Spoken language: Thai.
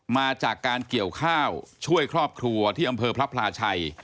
มาจากการเกี่ยวข้าวช่วยครอบครัวที่อำเภอพระพลาชัย